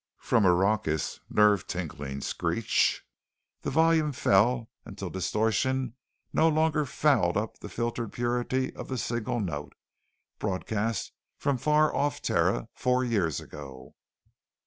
From a raucous, nerve tingling screech, the volume fell until distortion no longer fouled up the filtered purity of the signal note broadcast from far off Terra four years ago.